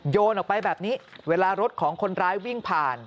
โยนออกไปแบบนี้เวลารถของคนร้ายวิ่งผ่าน